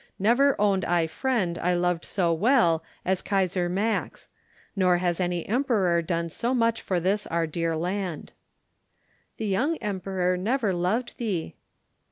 Never owned I friend I loved so well as Kaisar Max! Nor has any Emperor done so much for this our dear land." "The young Emperor never loved thee."